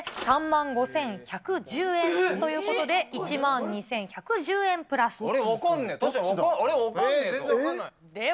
３万５１１０円ということで、１万２１１０円プラスと。